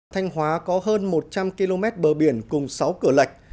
thành hóa có hơn một trăm linh km bờ biển cùng sáu cửa lệch